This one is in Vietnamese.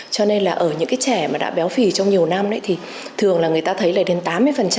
cho nên là ở những cái trẻ mà đã béo phì trong nhiều năm thì thường là người ta thấy lên đến tám mươi